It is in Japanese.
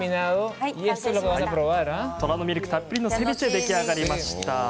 虎のミルクたっぷりのセビチェが出来上がりました。